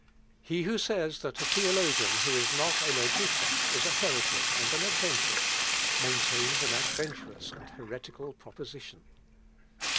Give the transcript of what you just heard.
"He who says that a theologian who is not a logician is a heretic and an adventurer, maintains an adventurous and heretical proposition.